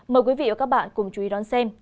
mời quý vị và các bạn cùng chú ý đón xem